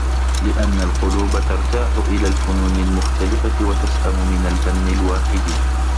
لِأَنَّ الْقُلُوبَ تَرْتَاحُ إلَى الْفُنُونِ الْمُخْتَلِفَةِ وَتَسْأَمُ مِنْ الْفَنِّ الْوَاحِدِ